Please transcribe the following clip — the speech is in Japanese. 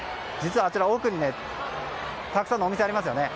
あちらの奥にたくさんのお店がありますよね。